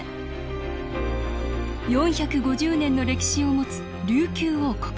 ４５０年の歴史を持つ琉球王国。